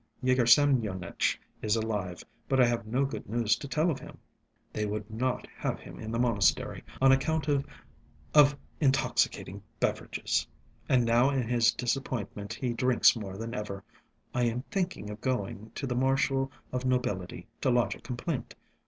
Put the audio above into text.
Yegor Semyonitch is alive, but I have no good news to tell of him. They would not have him in the monastery on account of of intoxicating beverages. And now in his disappointment he drinks more than ever. I am thinking of going to the Marshal of Nobility to lodge a complaint.